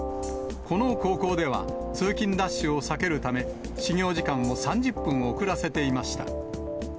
この高校では、通勤ラッシュを避けるため、始業時間を３０分遅らせていました。